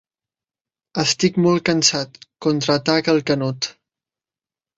Estic molt cansat, contraataca el Canut.